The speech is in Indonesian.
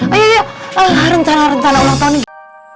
ayolah rencana rencana ulang tahun ini